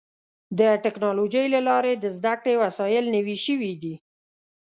د ټکنالوجۍ له لارې د زدهکړې وسایل نوي شوي دي.